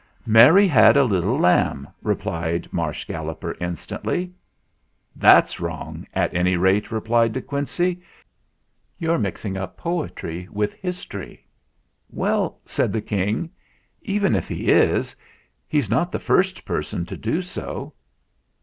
" 'Mary had a little lamb/ " replied Marsh Galloper instantly. "That's wrong, at any rate," declared De Quincey. "You're mixing up poetry with his tory." "Well," said the King, "even if he is, he's not the first person to do so."